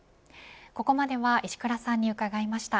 ここまでは石倉さんに伺いました。